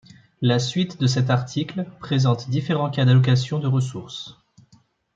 La suite de cet article présente différents cas d'allocation de ressources.